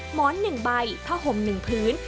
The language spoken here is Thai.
หมอนหนึ่งใบผ้าห่มหนึ่งพื้น